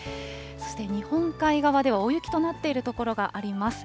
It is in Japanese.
そして日本海側では大雪となっている所があります。